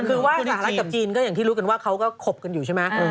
ควรว่าสหรัฐกับจีนก็ที่รู้กันเขาก็ครบกันอยู่ใช่ไหม